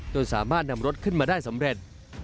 สามารถนำรถขึ้นมาได้สำเร็จ